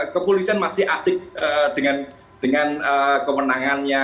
kepolisian masih asik dengan kewenangannya